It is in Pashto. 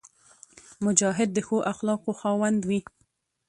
مجاهد د ښو اخلاقو خاوند وي.